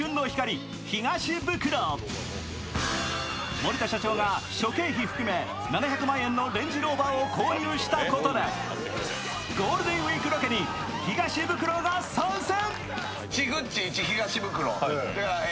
森田社長が諸経費含め７００万円のレンジローバーを購入したことでゴールデンウイークロケに東ブクロが参戦。